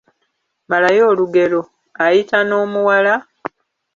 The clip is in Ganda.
Malayo olugero; Ayita n’omuwala, ……